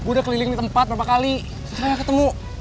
gue udah keliling tempat berapa kali selain ketemu